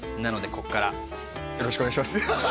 ここからよろしくお願いします